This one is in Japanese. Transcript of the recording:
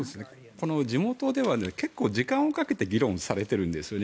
この地元では結構、時間をかけて議論されているんですよね。